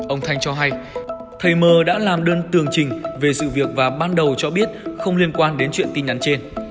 ông thanh cho hay thầy mờ đã làm đơn tường trình về sự việc và ban đầu cho biết không liên quan đến chuyện tin nhắn trên